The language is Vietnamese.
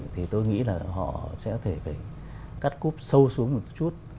thì tôi nghĩ là họ sẽ có thể phải cắt cúp sâu xuống một chút